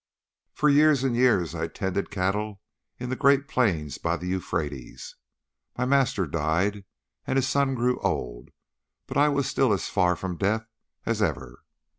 "For years and years I tended cattle in the great plains by the Euphrates. My master died, and his son grew old, but I was still as far from death as ever.